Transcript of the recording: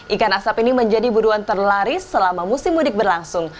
ikan asap ini menjadi buruan terlaris selama musim mudik berlangsung